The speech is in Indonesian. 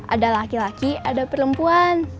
ada laki laki ada perempuan